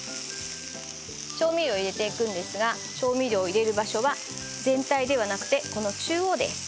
調味料を入れていくんですが調味料を入れる場所は全体ではなくて中央です。